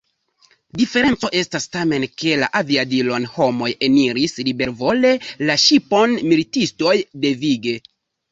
Diferenco estas tamen, ke la aviadilon homoj eniris libervole, la ŝipon militistoj devige.